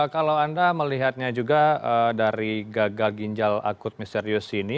kalau anda melihatnya juga dari gagal ginjal akut misterius ini